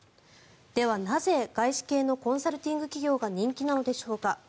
ではなぜ外資系のコンサルティング企業が人気なのでしょうか。